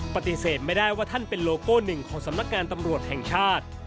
ปฏิเสธไม่ได้ว่าท่านเป็นโลโก้หนึ่งของสำนักงานตำรวจแห่งชาติ